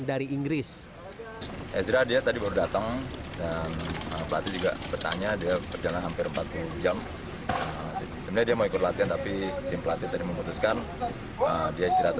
dan pelatih memberi kesempatan ezra beristirahat